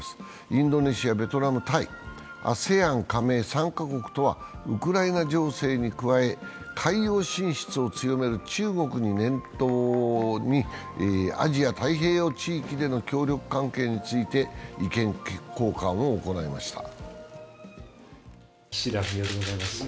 インドネシア、ベトナム、タイ、ＡＳＥＡＮ加盟３カ国とはウクライナ情勢に加え、海洋進出を強める中国を念頭にアジア太平洋地域での協力関係について意見交換を行いました。